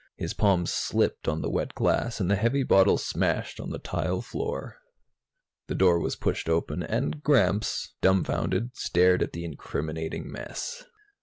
His palms slipped on the wet glass, and the heavy bottle smashed on the tile floor. The door was pushed open, and Gramps, dumbfounded, stared at the incriminating mess.